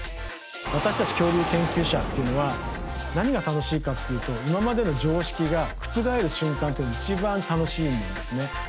私たち恐竜研究者っていうのは何が楽しいかっていうと今までの常識が覆る瞬間っていうのが一番楽しいんですね。